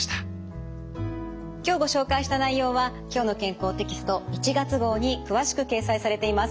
今日ご紹介した内容は「きょうの健康」テキスト１月号に詳しく掲載されています。